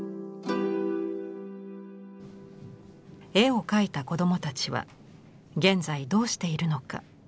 絵を描いた子どもたちは現在どうしているのか。